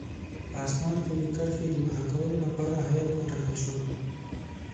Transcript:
په اسمار کې د کرښې د نښه کولو لپاره هیات وټاکل شو.